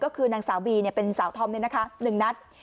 ก็คือนางสาวบีเนี่ยเป็นสาวธอมเนี่ยนะคะหนึ่งนัด